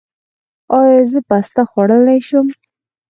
ایا زه پسته خوړلی شم؟